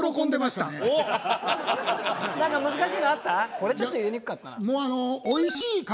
これちょっと入れにくかったなとか。